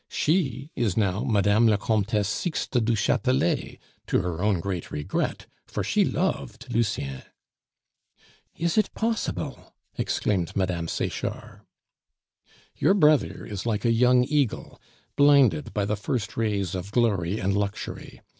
She is now Mme. la Comtesse Sixte du Chatelet, to her own great regret, for she loved Lucien." "Is it possible!" exclaimed Mme. Sechard. "Your brother is like a young eagle, blinded by the first rays of glory and luxury.